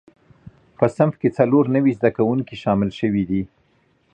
په صنف کې څلور نوي زده کوونکي شامل شوي دي.